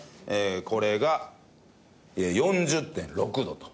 これが４０．６度と。